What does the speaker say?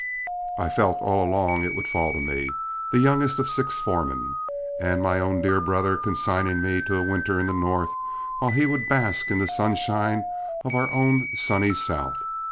I felt all along it would fall to me, the youngest of six foremen; and my own dear brother consigning me to a winter in the North, while he would bask in the sunshine of our own sunny South!